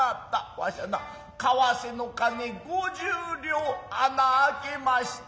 私しゃな為替の金五十両穴あけました。